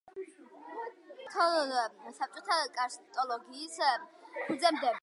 რუსეთის და საერთოდ საბჭოთა კარსტოლოგიის ფუძემდებელი.